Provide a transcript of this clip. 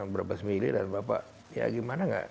berbesmili dan bapak ya gimana gak